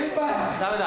ダメだ。